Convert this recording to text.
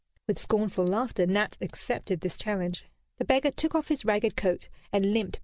With scornful laughter Nat accepted this challenge. The beggar took off his ragged coat and limped painfully on to the stage.